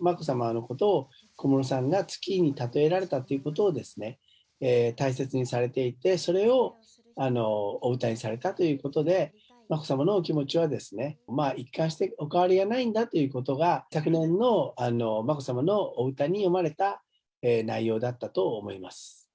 眞子さまのことを小室さんが月に例えられたということを、大切にされていて、それをお歌にされたということで、眞子さまのお気持ちは一貫してお変わりはないんだということが、昨年の眞子さまのお歌に詠まれた内容だったと思います。